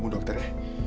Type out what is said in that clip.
ketemu dokter ya